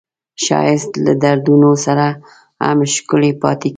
ښایست له دردونو سره هم ښکلی پاتې کېږي